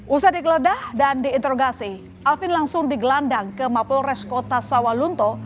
usah dikeledah dan diinterogasi alvin langsung digelandang ke mapol res kota sawah lunto